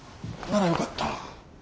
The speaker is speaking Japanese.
ならよかった。